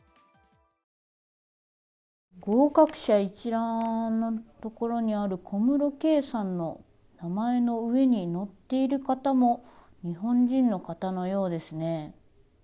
合格者一覧の所にある、小室圭さんの名前の上に載っている方も、日本人の方のようですね。